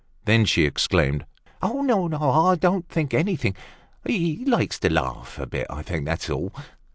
Then she exclaimed, "Oh, no! I don't know anything! He likes to laugh a bit, I think, that's all.